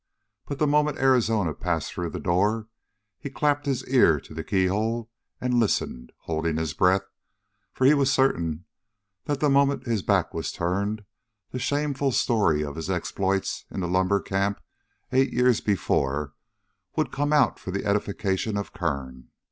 But the moment Arizona had passed through the door, he clapped his ear to the keyhole and listened, holding his breath, for he was certain that the moment his back was turned the shameful story of his exploits in the lumber camp eight years before would come out for the edification of Kern.